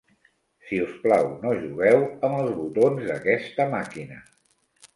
Si us plau, no jugueu amb els botons d'aquesta màquina.